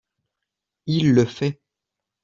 Il le fait